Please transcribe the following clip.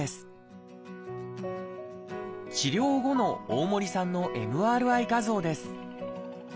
治療後の大森さんのＭＲＩ画像です。